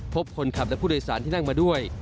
พบคนขับและผู้โดยสารที่นั่งมาด้วย